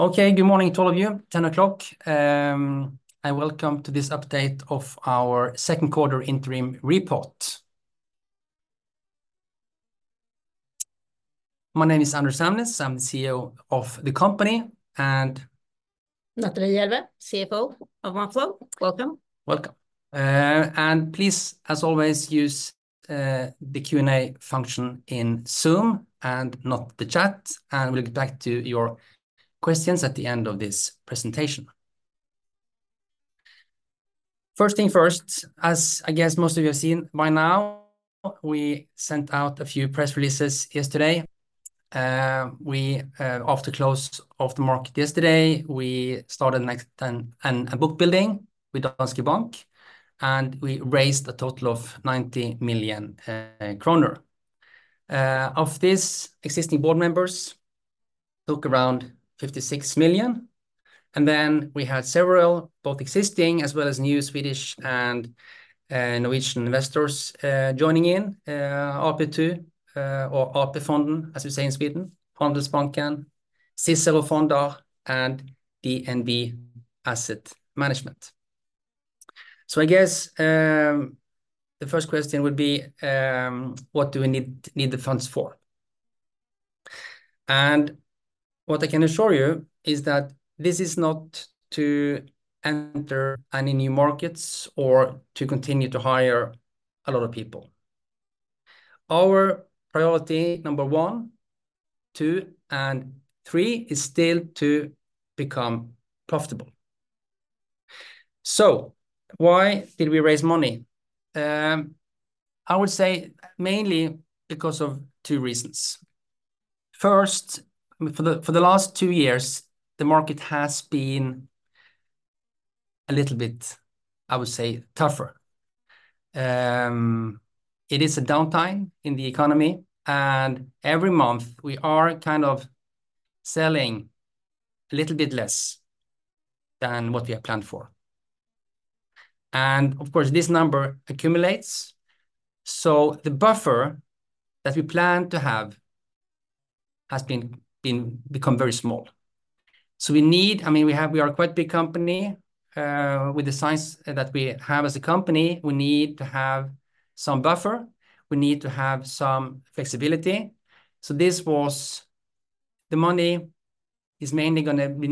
Okay, good morning to all of you. 10:00 A.M., and welcome to this update of our second quarter interim report. My name is Anders Hamnes. I'm the CEO of the company, and- Natalie Jelveh, CFO of Oneflow. Welcome. Welcome. And please, as always, use the Q&A function in Zoom and not the chat, and we'll get back to your questions at the end of this presentation. First thing first, as I guess most of you have seen by now, we sent out a few press releases yesterday. We, after close of the market yesterday, we started a book building with Danske Bank, and we raised a total of 90 million kronor. Of this, existing board members took around 56 million, and then we had several, both existing as well as new Swedish and Norwegian investors joining in, AP2, or AP-fonden, as we say in Sweden, Nordea Bank, Cicero Fonder, and DNB Asset Management. So I guess, the first question would be, what do we need the funds for? What I can assure you is that this is not to enter any new markets or to continue to hire a lot of people. Our priority number one, two, and three is still to become profitable. So why did we raise money? I would say mainly because of two reasons. First, for the, for the last two years, the market has been a little bit, I would say, tougher. It is a downtime in the economy, and every month, we are kind of selling a little bit less than what we had planned for. And of course, this number accumulates, so the buffer that we plan to have has been become very small. So we need... I mean, we have-- we are quite big company. With the size that we have as a company, we need to have some buffer. We need to have some flexibility. So this was the money is mainly gonna we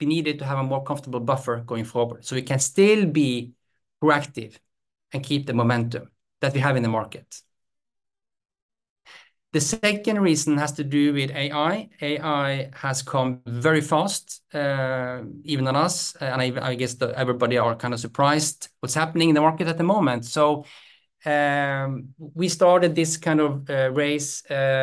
needed to have a more comfortable buffer going forward, so we can still be proactive and keep the momentum that we have in the market. The second reason has to do with AI. AI has come very fast even on us, and I guess everybody are kind of surprised what's happening in the market at the moment. So we started this kind of race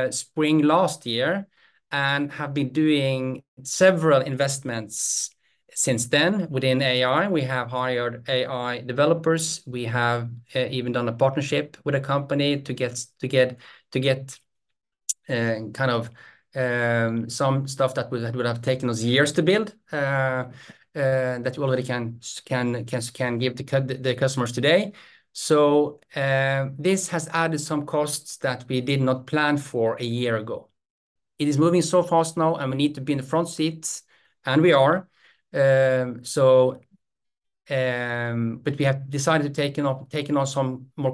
spring last year and have been doing several investments since then within AI. We have hired AI developers. We have even done a partnership with a company to get kind of some stuff that would have taken us years to build that we already can give to the customers today. This has added some costs that we did not plan for a year ago. It is moving so fast now, and we need to be in the front seats, and we are. But we have decided to take on some more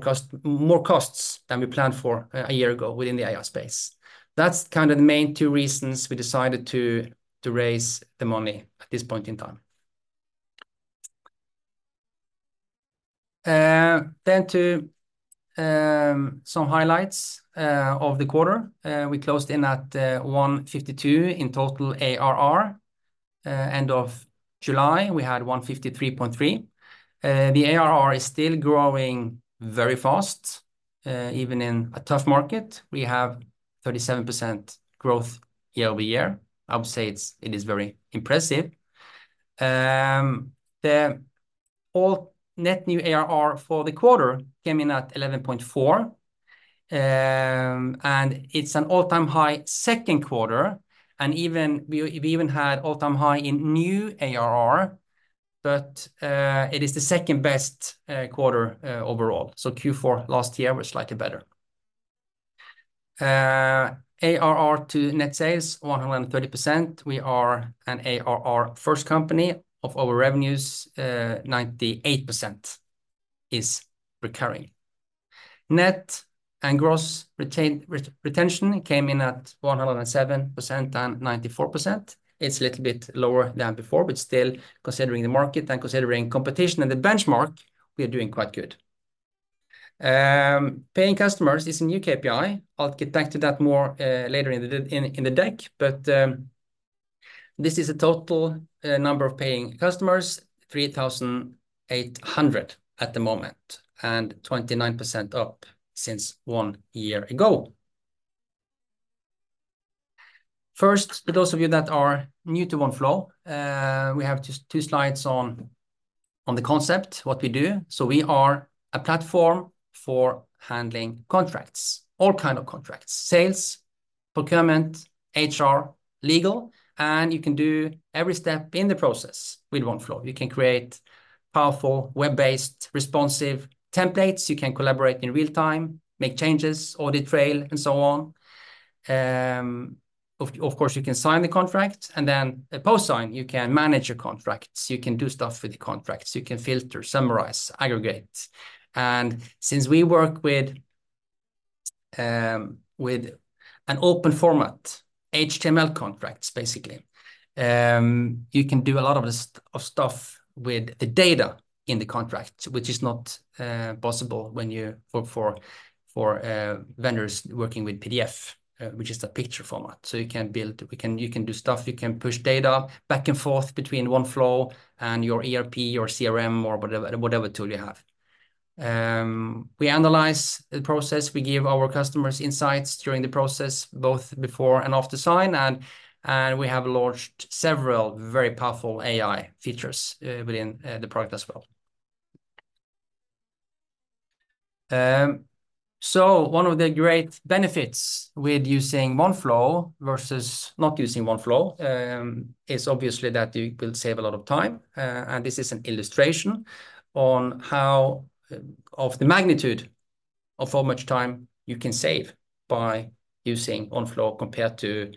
costs than we planned for a year ago within the AI space. That's kind of the main two reasons we decided to raise the money at this point in time. Then, some highlights of the quarter. We closed in at 152 in total ARR. End of July, we had 153.3. The ARR is still growing very fast, even in a tough market. We have 37% growth YoY. I would say it is very impressive. The Net New ARR for the quarter came in at 11.4. And it's an all-time high second quarter, and even we had all-time high in new ARR, but it is the second-best quarter overall. So Q4 last year was slightly better. ARR to net sales, 130%. We are an ARR first company. Of our revenues, 98% is recurring. Net and Gross Retention came in at 107% and 94%. It's a little bit lower than before, but still, considering the market and considering competition and the benchmark, we are doing quite good. Paying customers is a new KPI. I'll get back to that more later in the deck, but this is a total number of paying customers, 3,800 at the moment, and 29% up since one year ago. First, for those of you that are new to Oneflow, we have just 2 slides on the concept, what we do. So we are a platform for handling contracts, all kind of contracts: sales, procurement, HR, legal, and you can do every step in the process with Oneflow. You can create powerful, web-based, responsive templates. You can collaborate in real time, make changes, audit trail, and so on. Of course, you can sign the contract, and then post sign, you can manage your contracts. You can do stuff with the contracts. You can filter, summarize, aggregate, and since we work with an open format, HTML contracts, basically, you can do a lot of this stuff with the data in the contract, which is not possible when you work for vendors working with PDF, which is a picture format. So you can do stuff, you can push data back and forth between Oneflow and your ERP or CRM or whatever, whatever tool you have. We analyze the process, we give our customers insights during the process, both before and after sign, and we have launched several very powerful AI features within the product as well. So one of the great benefits with using Oneflow versus not using Oneflow is obviously that you will save a lot of time, and this is an illustration on how... Of the magnitude of how much time you can save by using Oneflow compared to,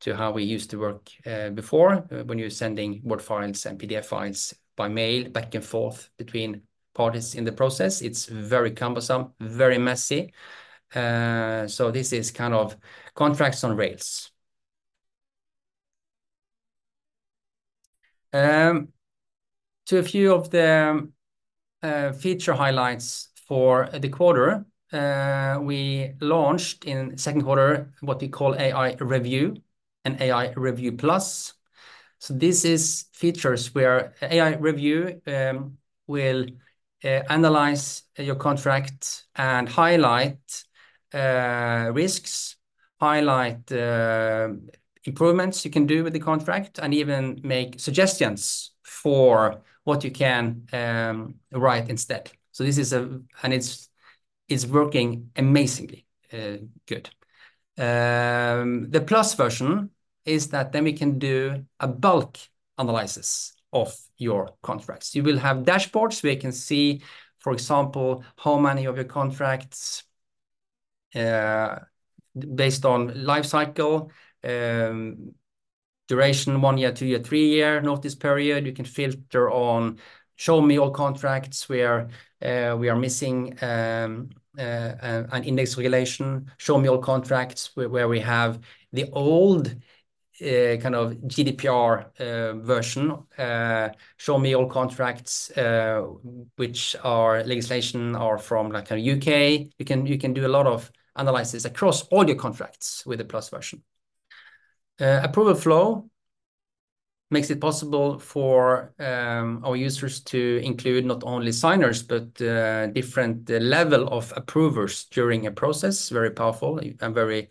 to how we used to work, before. When you're sending Word files and PDF files by mail back and forth between parties in the process, it's very cumbersome, very messy. So this is kind of contracts on rails. To a few of the feature highlights for the quarter, we launched in second quarter, what we call AI Review and AI Review Plus. So this is features where AI Review will analyze your contract and highlight risks, highlight improvements you can do with the contract, and even make suggestions for what you can write instead. So this is a... And it's working amazingly good. The Plus version is that then we can do a bulk analysis of your contracts. You will have dashboards where you can see, for example, how many of your contracts based on life cycle duration, one year, two year, three year notice period. You can filter on, "Show me all contracts where we are missing an index relation. Show me all contracts where we have the old kind of GDPR version. Show me all contracts, which are legislation or from like, U.K." You can do a lot of analysis across all your contracts with the Plus version. Approval Flow makes it possible for, our users to include not only signers, but, different level of approvers during a process. Very powerful and very,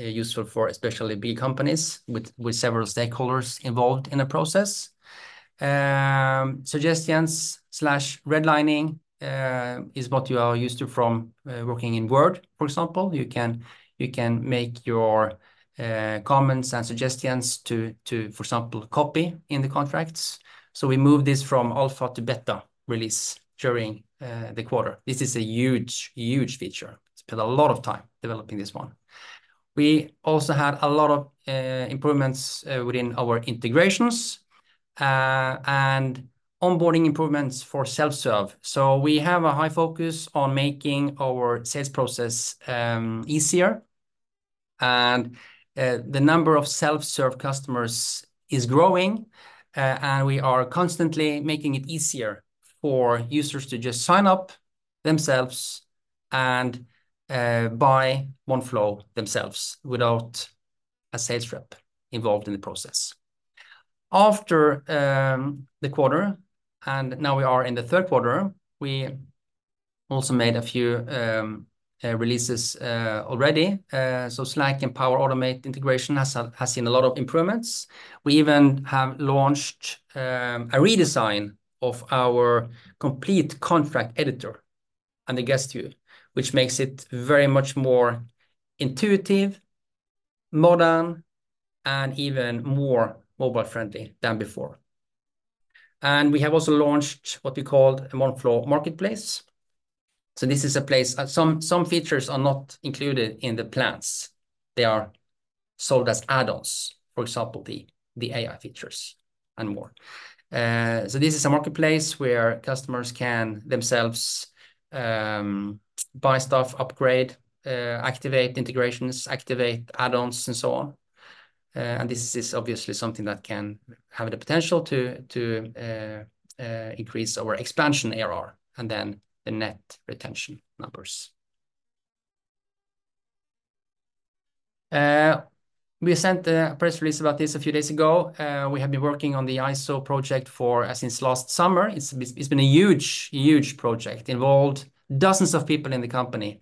useful for especially big companies with, several stakeholders involved in a process. Suggestions/redlining is what you are used to from, working in Word, for example. You can make your, comments and suggestions to, for example, copy in the contracts. So we moved this from alpha to beta release during, the quarter. This is a huge, huge feature. Spent a lot of time developing this one. We also had a lot of improvements within our integrations and onboarding improvements for self-serve. So we have a high focus on making our sales process easier, and the number of self-serve customers is growing, and we are constantly making it easier for users to just sign up themselves and buy Oneflow themselves without a sales rep involved in the process. After the quarter, and now we are in the third quarter, we also made a few releases already. So Slack and Power Automate integration has seen a lot of improvements. We even have launched a redesign of our complete contract editor and the guest view, which makes it very much more intuitive, modern, and even more mobile-friendly than before. And we have also launched what we called a Oneflow Marketplace. So this is a place... Some features are not included in the plans. They are sold as add-ons, for example, the AI features and more. So this is a marketplace where customers can themselves buy stuff, upgrade, activate integrations, activate add-ons, and so on. And this is obviously something that can have the potential to increase our expansion ARR, and then the net retention numbers. We sent a press release about this a few days ago. We have been working on the ISO project since last summer. It's been a huge, huge project, involved dozens of people in the company,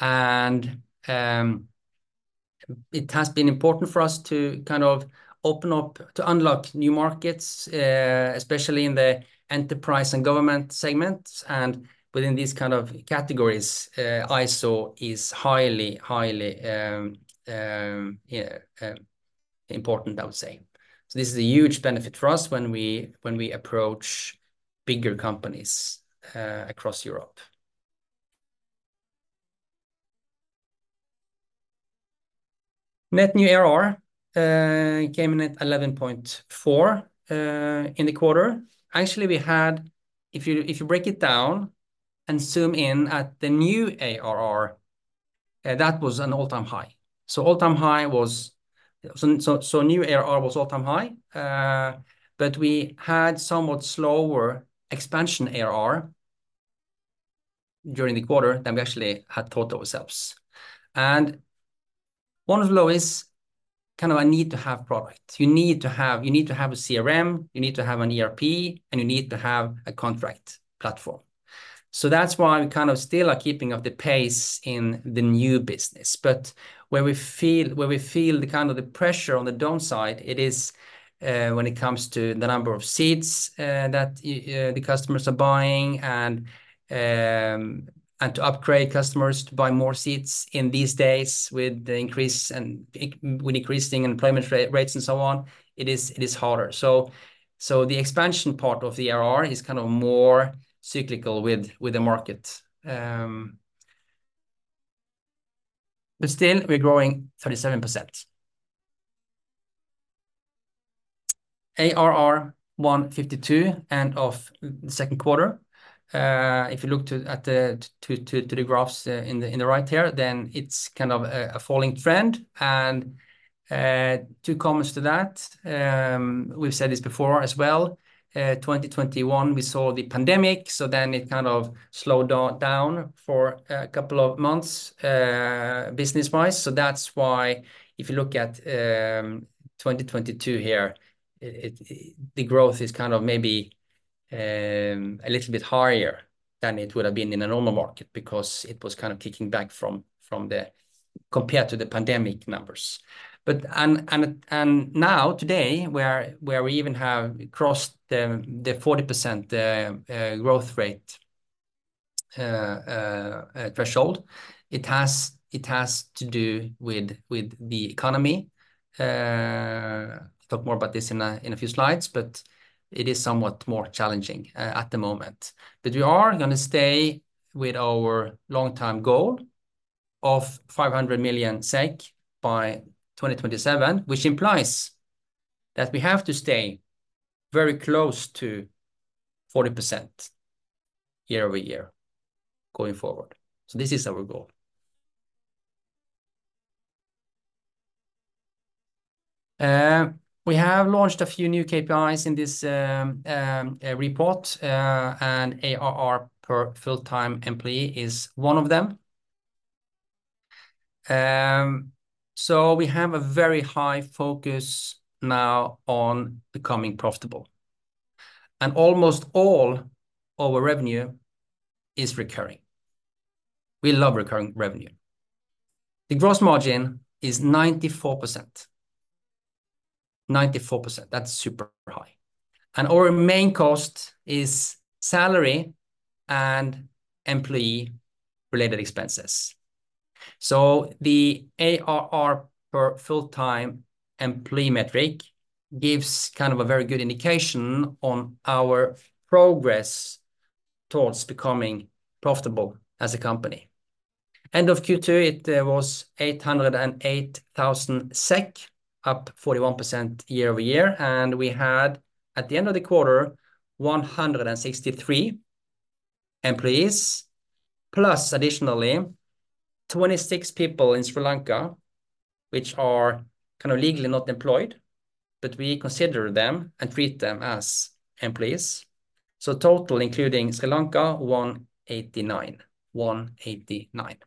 and it has been important for us to kind of open up to unlock new markets, especially in the enterprise and government segments, and within these kind of categories, ISO is highly, highly, yeah... important, I would say. So this is a huge benefit for us when we approach bigger companies across Europe. Net New ARR came in at 11.4 in the quarter. Actually, if you break it down and zoom in at the New ARR, that was an all-time high. So New ARR was all-time high, but we had somewhat slower expansion ARR during the quarter than we actually had thought ourselves. Oneflow is kind of a need-to-have product. You need to have a CRM, you need to have an ERP, and you need to have a contract platform. So that's why we kind of still are keeping up the pace in the new business. But where we feel the kind of pressure on the downside, it is when it comes to the number of seats that the customers are buying, and to upgrade customers to buy more seats in these days with the increase and with increasing employment rates and so on, it is harder. So the expansion part of the ARR is kind of more cyclical with the market. But still, we're growing 37%. ARR 152, end of the second quarter. If you look at the graphs in the right here, then it's kind of a falling trend, and two comments to that. We've said this before as well, 2021, we saw the pandemic, so then it kind of slowed down for a couple of months, business-wise. So that's why if you look at, 2022 here, it, the growth is kind of maybe, a little bit higher than it would have been in a normal market because it was kind of kicking back from, from the compared to the pandemic numbers. But now, today, where we even have crossed the, the 40% growth rate threshold, it has to do with the economy. Talk more about this in a few slides, but it is somewhat more challenging at the moment. But we are gonna stay with our long-term goal of 500 million SEK by 2027, which implies that we have to stay very close to 40% YoY, going forward. So this is our goal. We have launched a few new KPIs in this report, and ARR per full-time employee is one of them. So we have a very high focus now on becoming profitable, and almost all our revenue is recurring. We love recurring revenue. The gross margin is 94%. 94%, that's super high. And our main cost is salary and employee-related expenses. So the ARR per full-time employee metric gives kind of a very good indication on our progress towards becoming profitable as a company. End of Q2, it was 808,000 SEK, up 41% YoY, and we had, at the end of the quarter, 163 employees, plus additionally, 26 people in Sri Lanka, which are kind of legally not employed, but we consider them and treat them as employees. So total, including Sri Lanka, 189. 189.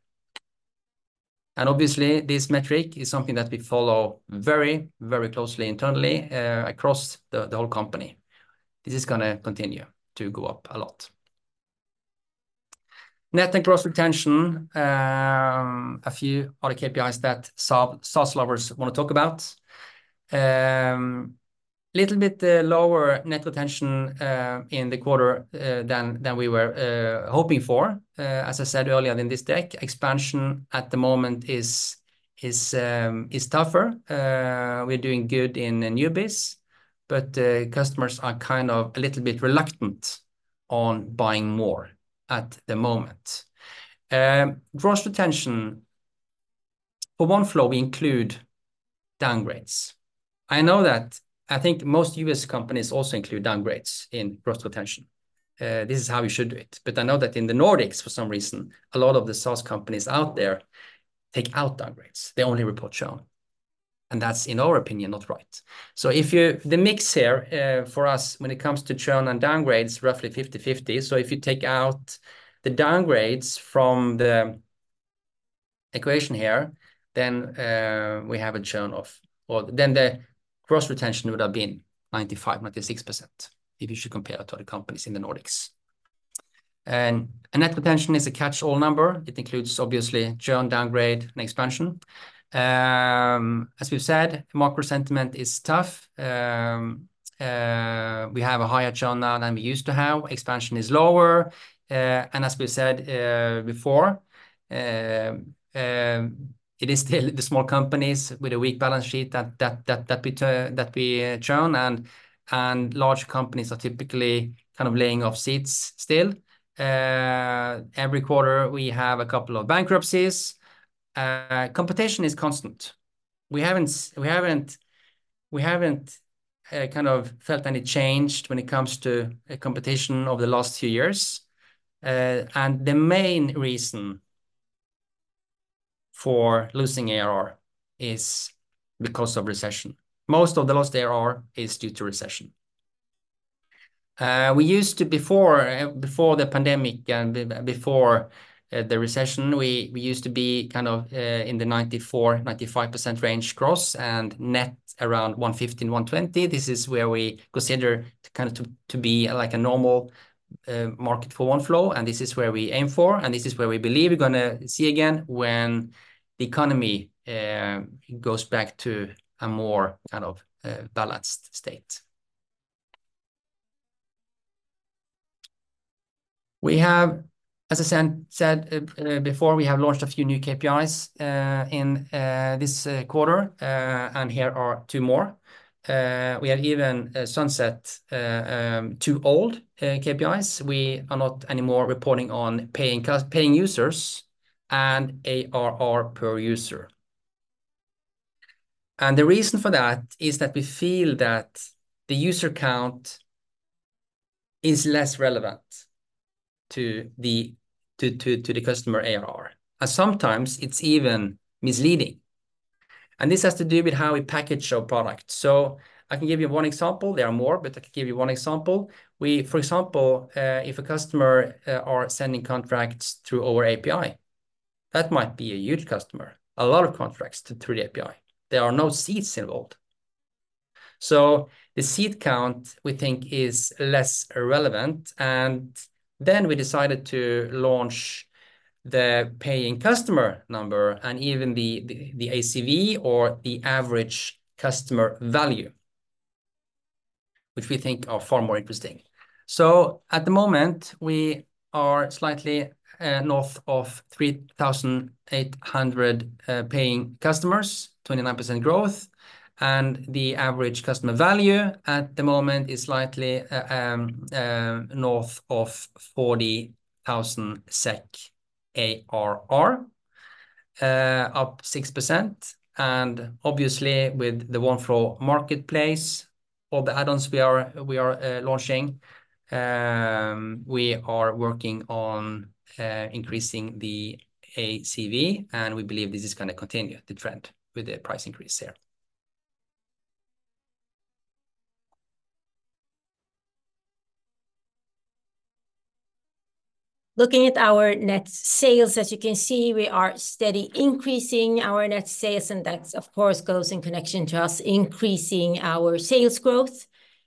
And obviously, this metric is something that we follow very, very closely internally, across the whole company. This is gonna continue to go up a lot. Net and gross retention, a few other KPIs that SaaS lovers wanna talk about. Little bit lower net retention in the quarter than we were hoping for. As I said earlier in this deck, expansion at the moment is tougher. We're doing good in the new biz, but customers are kind of a little bit reluctant on buying more at the moment. Gross retention for Oneflow, we include downgrades. I know that... I think most U.S. companies also include downgrades in gross retention. This is how you should do it. But I know that in the Nordics, for some reason, a lot of the SaaS companies out there take out downgrades. They only report churn, and that's, in our opinion, not right. So if you-- the mix here, for us, when it comes to churn and downgrades, roughly 50/50. So if you take out the downgrades from the equation here, then we have a churn of... Or then the gross retention would have been 95%-96%, if you should compare it to other companies in the Nordics. Net retention is a catch-all number. It includes obviously, churn, downgrade, and expansion. As we've said, market sentiment is tough. We have a higher churn now than we used to have. Expansion is lower, and as we said before, it is still the small companies with a weak balance sheet that we churn, and large companies are typically kind of laying off seats still. Every quarter, we have a couple of bankruptcies. Competition is constant. We haven't kind of felt any change when it comes to a competition over the last two years. And the main reason for losing ARR is because of recession. Most of the lost ARR is due to recession. We used to before the pandemic and before the recession, we used to be kind of in the 94%-95% range gross, and net around 150, 120. This is where we consider to kind of be like a normal market for Oneflow, and this is where we aim for, and this is where we believe we're gonna see again when the economy goes back to a more kind of balanced state. We have, as I said before, we have launched a few new KPIs in this quarter, and here are two more. We have even sunset two old KPIs. We are not anymore reporting on paying users and ARR per user. And the reason for that is that we feel that the user count is less relevant to the customer ARR, and sometimes it's even misleading. This has to do with how we package our product. So I can give you one example. There are more, but I can give you one example. For example, if a customer are sending contracts through our API, that might be a huge customer. A lot of contracts through the API. There are no seats involved. So the seat count, we think, is less relevant, and then we decided to launch the paying customer number, and even the ACV or the Average Customer Value, which we think are far more interesting. So at the moment, we are slightly north of 3,800 paying customers, 29% growth, and the Average Customer Value at the moment is slightly north of 40,000 SEK ARR, up 6%, and obviously, with the Oneflow Marketplace, all the add-ons we are launching, we are working on increasing the ACV, and we believe this is gonna continue, the trend, with the price increase here. Looking at our net sales, as you can see, we are steady increasing our net sales, and that, of course, goes in connection to us increasing our sales growth.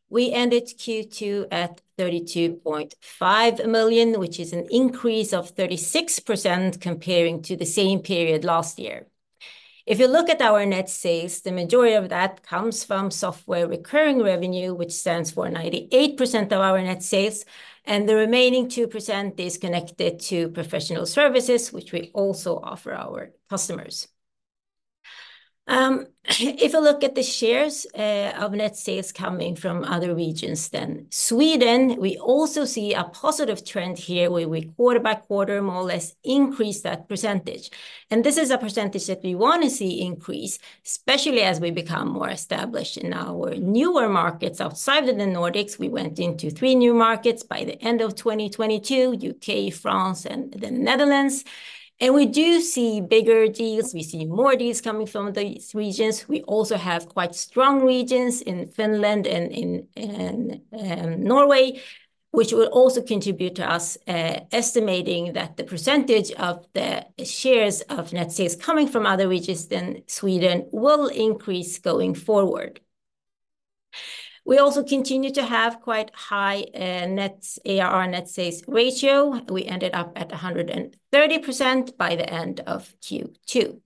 We ended Q2 at 32.5 million, which is an increase of 36% comparing to the same period last year. If you look at our net sales, the majority of that comes from software recurring revenue, which stands for 98% of our net sales, and the remaining 2% is connected to professional services, which we also offer our customers. If you look at the shares of net sales coming from other regions than Sweden, we also see a positive trend here, where we quarter by quarter, more or less increase that percentage. This is a percentage that we wanna see increase, especially as we become more established in our newer markets outside of the Nordics. We went into three new markets by the end of 2022, U.K., France, and the Netherlands, and we do see bigger deals. We see more deals coming from these regions. We also have quite strong regions in Finland and in Norway, which will also contribute to us estimating that the percentage of the shares of net sales coming from other regions than Sweden will increase going forward. We also continue to have quite high net ARR net sales ratio. We ended up at 130% by the end of Q2.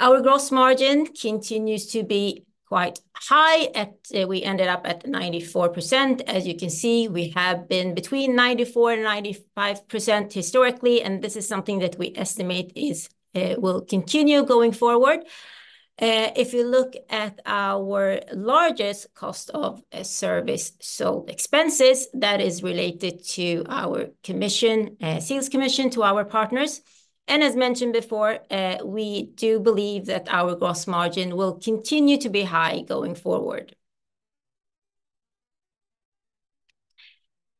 Our gross margin continues to be quite high. We ended up at 94%. As you can see, we have been between 94% and 95% historically, and this is something that we estimate is, will continue going forward. If you look at our largest cost of a service, so expenses, that is related to our commission, sales commission to our partners, and as mentioned before, we do believe that our gross margin will continue to be high going forward.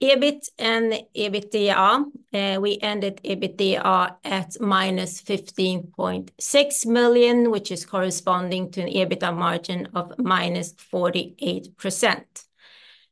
EBIT and EBITDA, we ended EBITDA at -15.6 million, which is corresponding to an EBITDA margin of -48%.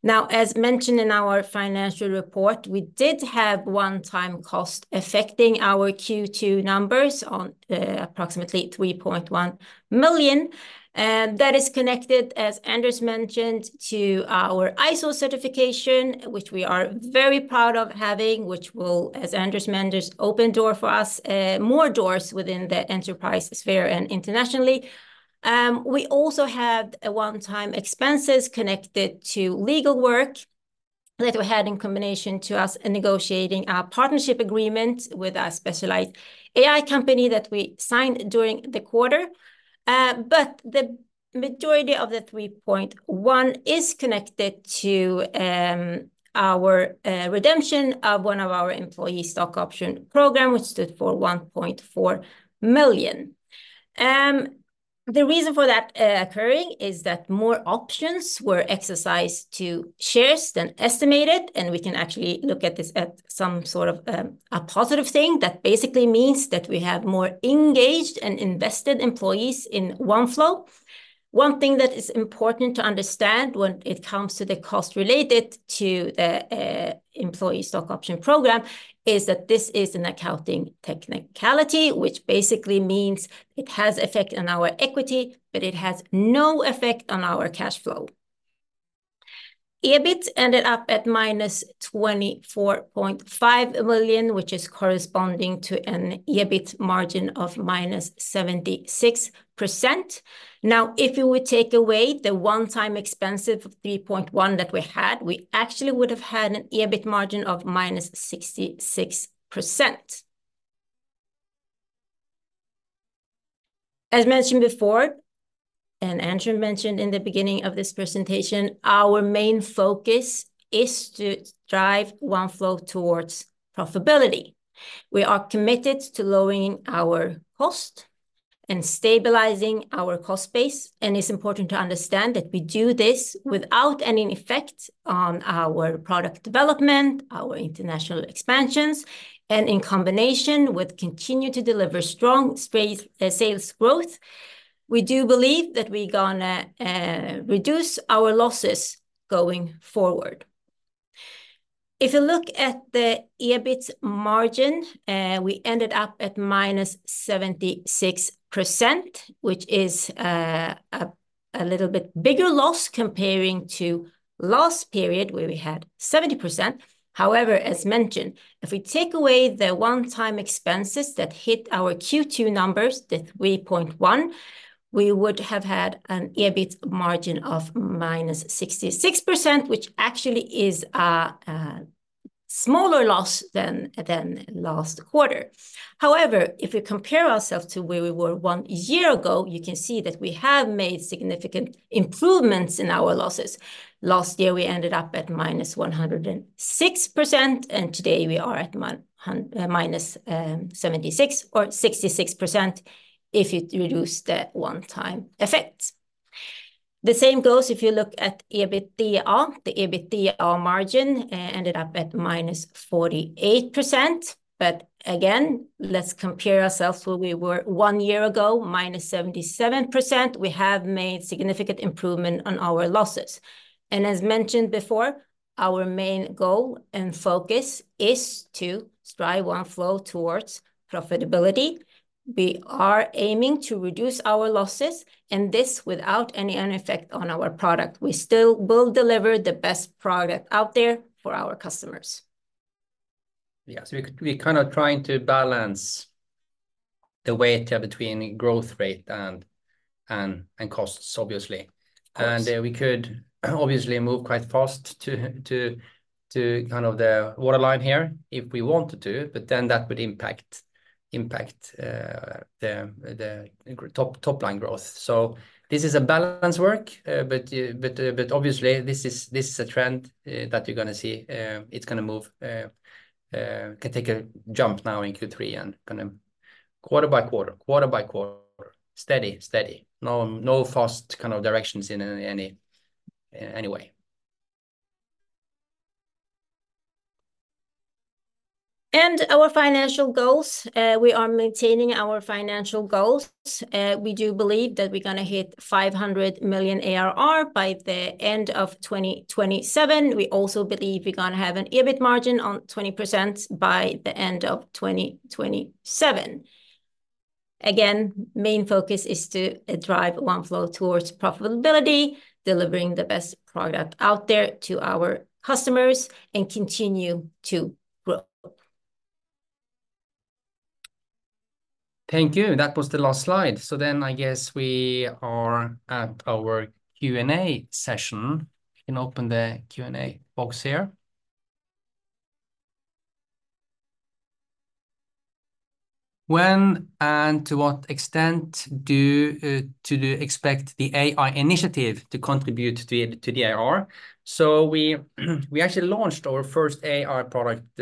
Now, as mentioned in our financial report, we did have one-time cost affecting our Q2 numbers on approximately 3.1 million, that is connected, as Anders mentioned, to our ISO certification, which we are very proud of having, which will, as Anders mentioned, open door for us, more doors within the enterprise sphere and internationally. We also had a one-time expenses connected to legal work that we had in combination to us and negotiating a partnership agreement with a specialized AI company that we signed during the quarter. But the majority of the 3.1 million is connected to our redemption of one of our employee stock option program, which stood for 1.4 million. The reason for that occurring is that more options were exercised to shares than estimated, and we can actually look at this at some sort of a positive thing. That basically means that we have more engaged and invested employees in Oneflow. One thing that is important to understand when it comes to the cost related to the employee stock option program, is that this is an accounting technicality, which basically means it has effect on our equity, but it has no effect on our cash flow. EBIT ended up at -24.5 million, which is corresponding to an EBIT margin of -76%. Now, if you would take away the one-time expense of 3.1 million that we had, we actually would have had an EBIT margin of -66%. As mentioned before, and Anders mentioned in the beginning of this presentation, our main focus is to drive Oneflow towards profitability. We are committed to lowering our cost and stabilizing our cost base, and it's important to understand that we do this without any effect on our product development, our international expansions, and in combination with continue to deliver strong pace, sales growth. We do believe that we're gonna reduce our losses going forward. If you look at the EBIT margin, we ended up at -76%, which is a little bit bigger loss comparing to last period, where we had 70%. However, as mentioned, if we take away the one-time expenses that hit our Q2 numbers, the 3.1, we would have had an EBIT margin of -66%, which actually is a smaller loss than last quarter. However, if we compare ourselves to where we were one year ago, you can see that we have made significant improvements in our losses. Last year, we ended up at -106%, and today we are at -76 or 66% if you reduce the one-time effect. The same goes if you look at EBITDA. The EBITDA margin ended up at -48%. But again, let's compare ourselves where we were one year ago, -77%. We have made significant improvement on our losses, and as mentioned before, our main goal and focus is to drive Oneflow towards profitability. We are aiming to reduce our losses, and this without any effect on our product. We still will deliver the best product out there for our customers. Yeah, so we kind of trying to balance the weight between growth rate and costs, obviously. Of course. We could obviously move quite fast to the waterline here if we wanted to, but then that would impact the top-line growth. So this is a balance work, but obviously, this is a trend that you're gonna see. It's gonna move, can take a jump now in Q3 and kind of quarter by quarter. Steady. No fast kind of directions in any way. Our financial goals, we are maintaining our financial goals. We do believe that we're gonna hit 500 million ARR by the end of 2027. We also believe we're gonna have an EBIT margin on 20% by the end of 2027. Again, main focus is to drive Oneflow towards profitability, delivering the best product out there to our customers and continue to grow. Thank you. That was the last slide. So then, I guess we are at our Q&A session. We can open the Q&A box here. "When and to what extent do you expect the AI initiative to contribute to the ARR?" So we actually launched our first AI product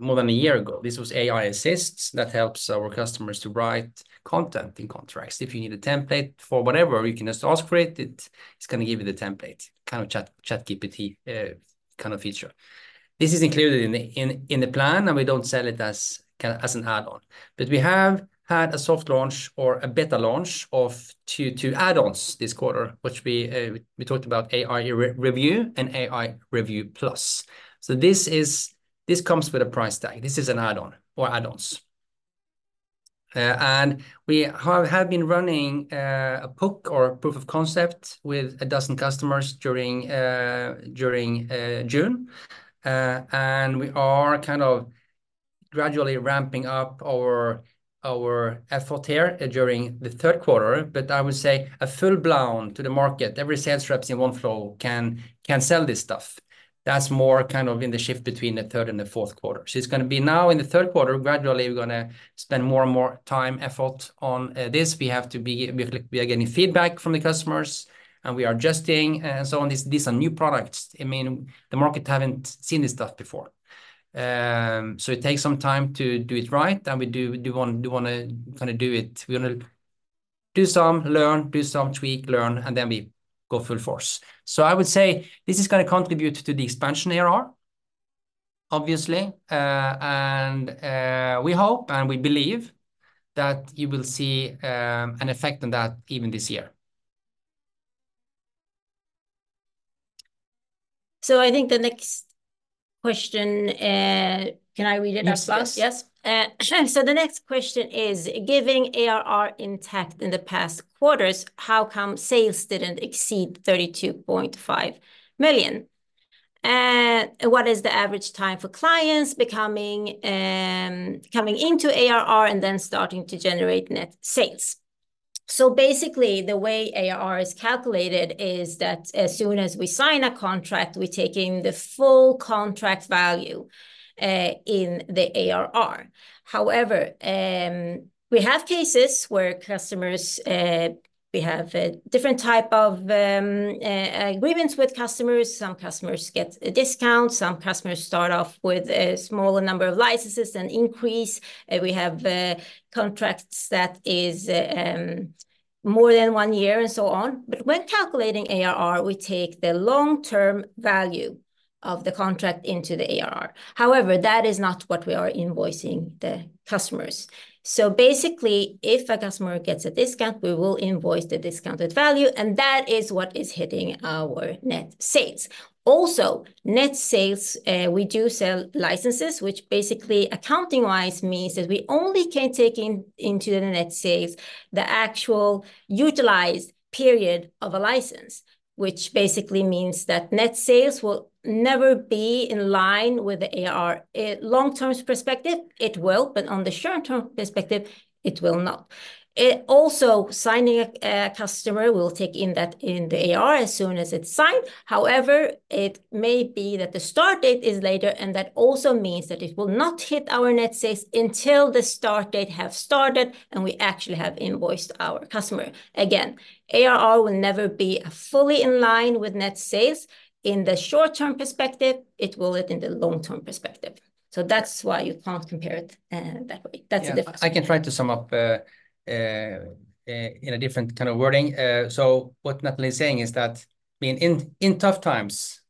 more than a year ago. This was AI Assist. That helps our customers to write content in contracts. If you need a template for whatever, you can just ask for it. It's gonna give you the template, kind of ChatGPT kind of feature. This is included in the plan, and we don't sell it as an add-on. But we have had a soft launch or a beta launch of two add-ons this quarter, which we talked about AI Review and AI Review Plus. So this is. This comes with a price tag. This is an add-on or add-ons. And we have been running a POC or a proof of concept with 12 customers during June, and we are kind of gradually ramping up our effort here during the third quarter, but I would say a full-blown to the market, every sales reps in Oneflow can sell this stuff. That's more kind of in the shift between the third and the fourth quarter. So it's gonna be now in the third quarter, gradually, we're gonna spend more and more time, effort on this. We are getting feedback from the customers, and we are adjusting, and so on. These are new products. I mean, the market haven't seen this stuff before. So it takes some time to do it right, and we do, we want, we wanna kinda do it... We wanna do some, learn, do some, tweak, learn, and then we go full force. So I would say this is gonna contribute to the Expansion ARR, obviously, and, we hope, and we believe that you will see, an effect on that even this year. So, I think the next question. Can I read it as well? Yes. Yes. So the next question is: giving ARR intact in the past quarters, how come sales didn't exceed 32.5 million? And what is the average time for clients becoming, coming into ARR, and then starting to generate net sales? So basically, the way ARR is calculated is that as soon as we sign a contract, we're taking the full contract value in the ARR. However, we have cases where customers, we have a different type of agreements with customers. Some customers get a discount, some customers start off with a smaller number of licenses and increase. We have contracts that is more than one year, and so on. But when calculating ARR, we take the long-term value of the contract into the ARR. However, that is not what we are invoicing the customers. So basically, if a customer gets a discount, we will invoice the discounted value, and that is what is hitting our net sales. Also, net sales, we do sell licenses, which basically, accounting-wise, means that we only can take into the net sales, the actual utilized period of a license, which basically means that net sales will never be in line with the AR. Long-term perspective, it will, but on the short-term perspective, it will not. Also, signing a customer, we'll take in that in the AR as soon as it's signed. However, it may be that the start date is later, and that also means that it will not hit our net sales until the start date have started, and we actually have invoiced our customer. Again, ARR will never be fully in line with net sales. In the short-term perspective, it will in the long-term perspective. So that's why you can't compare it that way. That's the difference. Yeah. I can try to sum up in a different kind of wording. So what Natalie is saying is that, I mean, in tough times,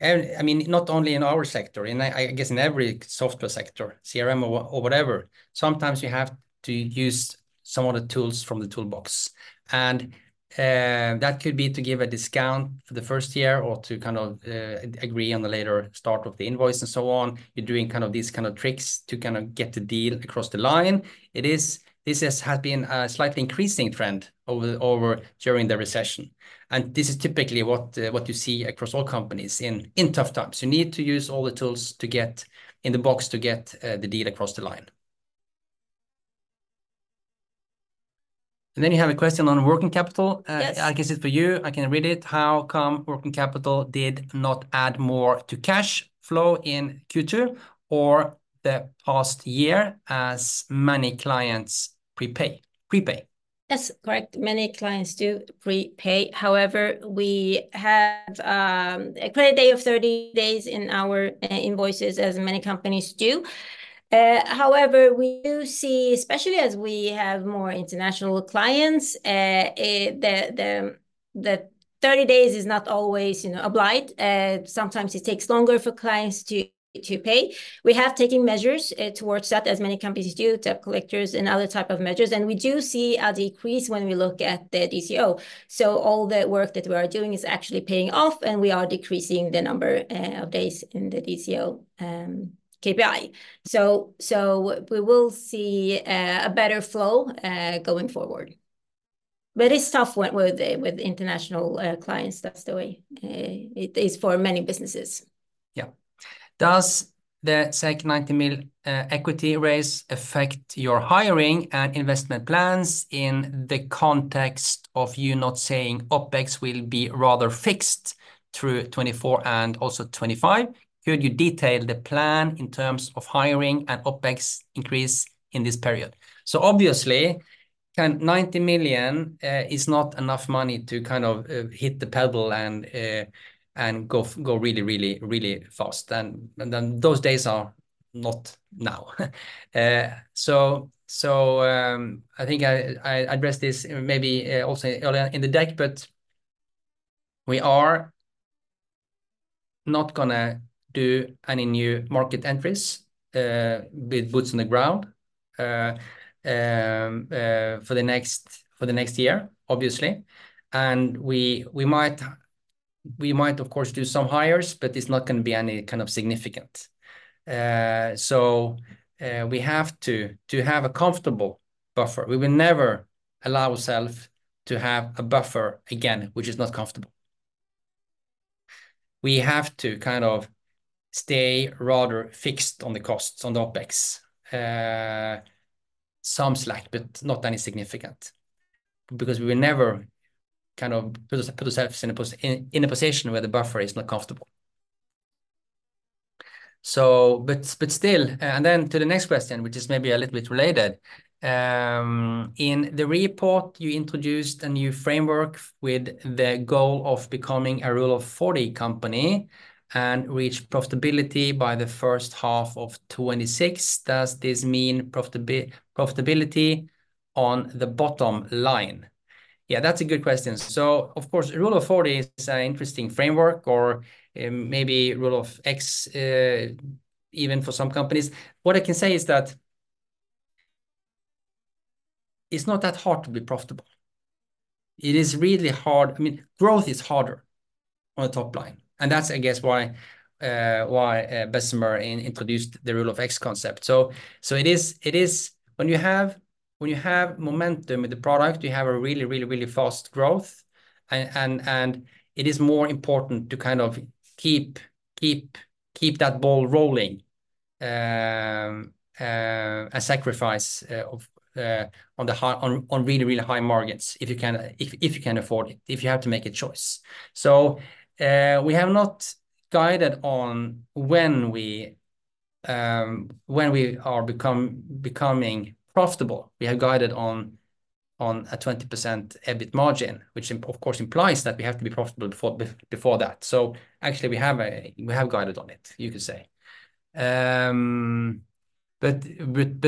and, I mean, not only in our sector, I guess, in every software sector, CRM or whatever, sometimes you have to use some of the tools from the toolbox, and that could be to give a discount for the first year or to kind of agree on the later start of the invoice, and so on. You're doing kind of these kind of tricks to kind of get the deal across the line. This has been a slightly increasing trend over during the recession, and this is typically what you see across all companies in tough times. You need to use all the tools to get in the box to get the deal across the line. And then you have a question on working capital. Yes. I guess it's for you. I can read it. How come working capital did not add more to cash flow in Q2 or the past year, as many clients prepay, prepay? That's correct. Many clients do prepay. However, we have a credit day of 30 days in our invoices, as many companies do. However, we do see, especially as we have more international clients, the 30 days is not always, you know, applied. Sometimes it takes longer for clients to pay. We have taken measures towards that, as many companies do, debt collectors and other type of measures, and we do see a decrease when we look at the DSO. So all the work that we are doing is actually paying off, and we are decreasing the number of days in the DSO KPI. So we will see a better flow going forward. But it's tough with international clients. That's the way it is for many businesses. Yeah. Does the 90 million equity raise affect your hiring and investment plans in the context of you not saying OpEx will be rather fixed through 2024 and also 2025? Could you detail the plan in terms of hiring and OpEx increase in this period? So obviously, 90 million is not enough money to kind of hit the pedal and go really, really, really fast, and then those days are not now. So I think I addressed this maybe also earlier in the deck, but we are not gonna do any new market entries with boots on the ground for the next year, obviously. And we might, of course, do some hires, but it's not gonna be any kind of significant. So, we have to have a comfortable buffer. We will never allow ourselves to have a buffer again, which is not comfortable. We have to kind of stay rather fixed on the costs, on the OpEx. Some slack, but not any significant, because we will never kind of put ourselves in a position where the buffer is not comfortable. But still, and then to the next question, which is maybe a little bit related. In the report, you introduced a new framework with the goal of becoming a Rule of 40 company and reach profitability by the first half of 2026. Does this mean profitability on the bottom line? Yeah, that's a good question. So of course, Rule of 40 is an interesting framework, or maybe Rule of X, even for some companies. What I can say is that it's not that hard to be profitable. It is really hard... I mean, growth is harder on the top line, and that's, I guess, why Bessemer introduced the Rule of X concept. So it is—When you have momentum in the product, you have a really fast growth, and it is more important to kind of keep that ball rolling, and sacrifice on really high margins, if you can afford it, if you have to make a choice. So, we have not guided on when we are becoming profitable. We have guided on a 20% EBIT margin, which, of course, implies that we have to be profitable before that. So actually, we have guided on it, you could say. But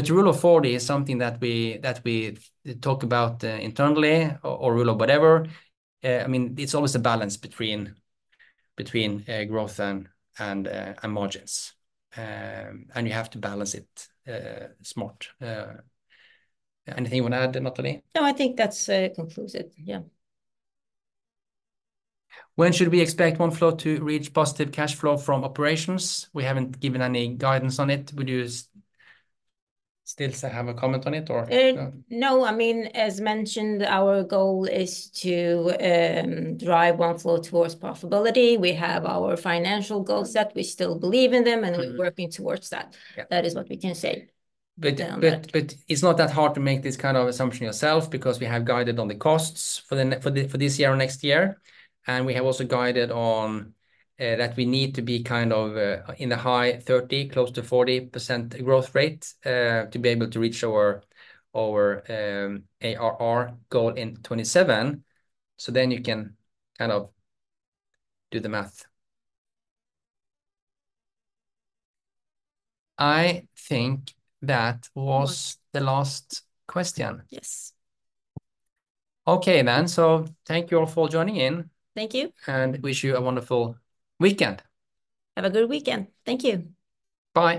Rule of 40 is something that we talk about internally, or rule of whatever. I mean, it's always a balance between growth and margins. And you have to balance it smart. Anything you want to add, Natalie? No, I think that concludes it. Yeah. When should we expect Oneflow to reach positive cash flow from operations? We haven't given any guidance on it. Would you still say, have a comment on it, or no? No. I mean, as mentioned, our goal is to drive Oneflow towards profitability. We have our financial goals that we still believe in them, and we're working towards that. Yeah. That is what we can say- But- on that... but it's not that hard to make this kind of assumption yourself because we have guided on the costs for the, for this year or next year, and we have also guided on that we need to be kind of in the high 30, close to 40% growth rate to be able to reach our ARR goal in 2027. So then you can kind of do the math. I think that was the last question. Yes. Okay, thank you all for joining in. Thank you. Wish you a wonderful weekend. Have a good weekend. Thank you. Bye.